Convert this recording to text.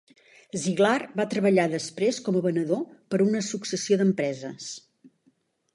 Ziglar va treballar després com a venedor per a una successió d'empreses.